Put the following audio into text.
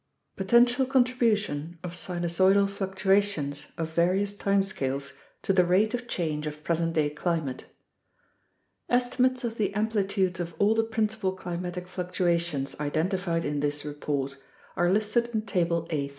Potential Contribution of Sinusoidal Fluctuations of Various Time Scales to the Rate of Change of Present Day Climate Estimates of the amplitudes of all the principal climatic fluctuations identified in this report are listed in Table A.